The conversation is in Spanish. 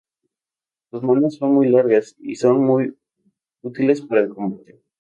Sus manos son muy largas y son muy útiles para el combate.